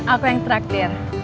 aku yang traktir